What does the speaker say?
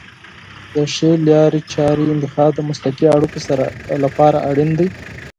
د ښې لارې چارې انتخاب د مسلکي اړیکو لپاره اړین دی.